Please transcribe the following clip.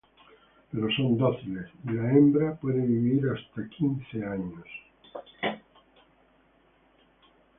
Pero son dóciles, y la hembra puede vivir hasta quince años.